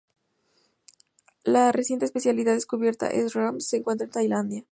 La reciente especie descubierta "S. ram" se encuentra en Tailandia.